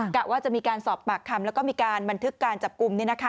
กะว่าจะมีการสอบปากคำแล้วก็มีการบันทึกการจับกลุ่ม